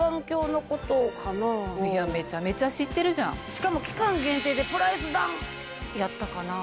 しかも期間限定でプライスダウンやったかな？